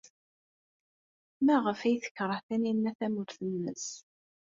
Maɣef ay tekṛeh Taninna tamurt-nnes?